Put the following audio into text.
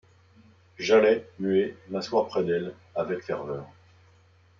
J'allais, muet, m'asseoir près d'elle, avec ferveur